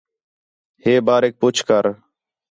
ہے باریک پُچھ کر